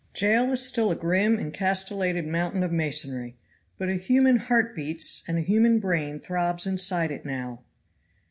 JAIL is still a grim and castellated mountain of masonry, but a human heart beats and a human brain throbs inside it now.